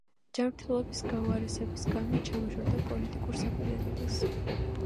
ჯანმრთელობის გაუარესების გამო ჩამოშორდა პოლიტიკურ საქმიანობას.